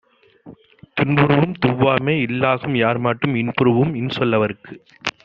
துன்புறூஉம் துவ்வாமை இல்லாகும் யார்மாட்டும் இன்புறூஉம் இன்சொ லவர்க்கு.